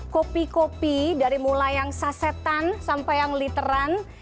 kopi kopi dari mulai yang sasetan sampai yang literan